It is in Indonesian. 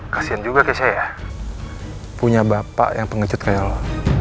kasian juga keisha ya punya bapak yang pengecut kayak lo